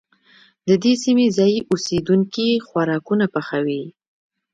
د دې سيمې ځايي اوسيدونکي خوراکونه پخوي.